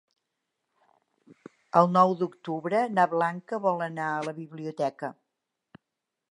El nou d'octubre na Blanca vol anar a la biblioteca.